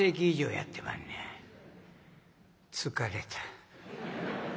疲れた。